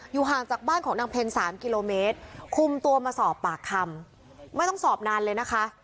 ห่างจากบ้านของนางเพลสามกิโลเมตรคุมตัวมาสอบปากคำไม่ต้องสอบนานเลยนะคะ